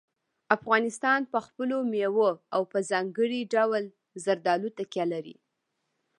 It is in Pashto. افغانستان په خپلو مېوو او په ځانګړي ډول زردالو تکیه لري.